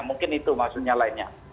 mungkin itu maksudnya lainnya